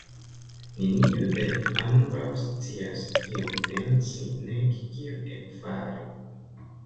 Neniu el ambaŭ scias, kion pensi, nek kion ekfari.